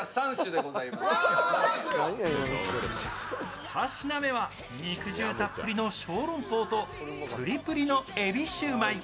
２品目は肉汁たっぷりのショーロンポーとプリプリのえびシューマイ